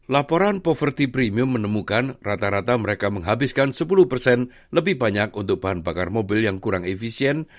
laporan properti premium menemukan rata rata mereka menghabiskan sepuluh persen lebih banyak untuk bahan bakar mobil yang kurang efisien